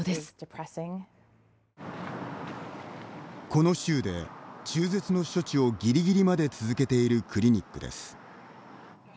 この州で中絶の処置をぎりぎりまで続けているクリニックです。